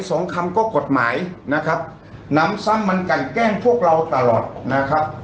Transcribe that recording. สองคำก็กฎหมายนะครับนำซ้ำมันกันแกล้งพวกเราตลอดนะครับ